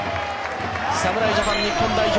侍ジャパン日本代表